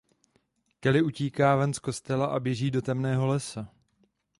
Kelly utíká ven z kostela a běží do temného lesa.